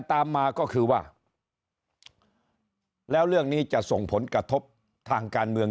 ตามมาก็คือว่าแล้วเรื่องนี้จะส่งผลกระทบทางการเมือง